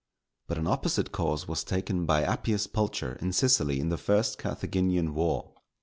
But an opposite course was taken by Appius Pulcher, in Sicily, in the first Carthaginian war.